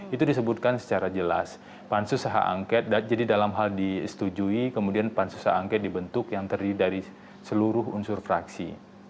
itu disebutkan secara jelas pansus hak angket jadi dalam hal disetujui kemudian pansus angket dibentuk yang terdiri dari seluruh unsur fraksi